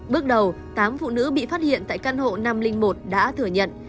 bước đầu tám phụ nữ bị phát hiện tại căn hộ năm trăm linh một đã thừa nhận